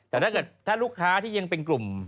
แต่ถ้าลูกค้าที่ยังเป็นกลุ่ม